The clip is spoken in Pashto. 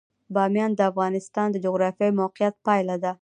بامیان د افغانستان د جغرافیایي موقیعت پایله ده.